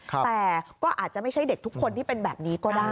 แต่ก็อาจจะไม่ใช่เด็กทุกคนที่เป็นแบบนี้ก็ได้